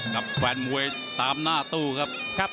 กับแฟนมวยตามหน้าตู้ครับครับ